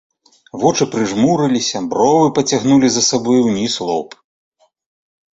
Вочы прыжмурыліся, бровы пацягнулі за сабою ўніз лоб.